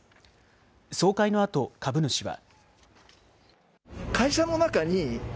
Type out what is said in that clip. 総会のあと株主は。